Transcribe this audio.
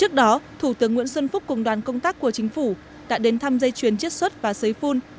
trước đó thủ tướng nguyễn xuân phúc cùng đoàn công tác của chính phủ đã đến thăm dây chuyền chiết xuất và sấy phun